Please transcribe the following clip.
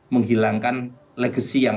menghilangkan legacy yang